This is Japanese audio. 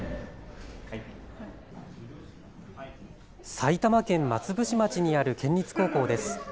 埼玉県松伏町にある県立高校です。